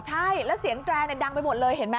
ใช่แล้วเสียงแตรดังไปหมดเลยเห็นไหม